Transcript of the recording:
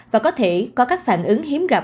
và có thể có các phản ứng hiếm gặp